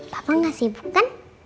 papa gak sibuk kan